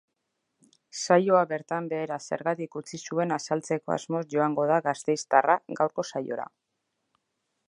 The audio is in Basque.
Saioa bertan behera zergatik utzi zuen azaltzeko asmoz joango da gasteiztarra gaurko saiora.